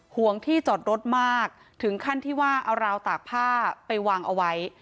ห่วงที่จอดรถมากถึงขั้นที่ว่าเอาราวตากผ้าไปวางเอาไว้